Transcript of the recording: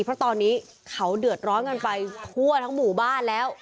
เพราะตอนนี้เขาเดือดร้อนกันไปทั่วทั้งหมู่บ้านแล้ว